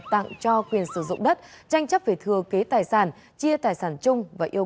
tặng cho quyền sử dụng đất tranh chấp về thừa kế tài sản